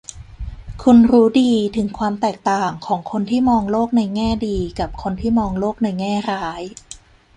คุณรู้ดีถึงความแตกต่างของคนที่มองโลกในแง่ดีกับคนที่มองโลกในแง่ร้าย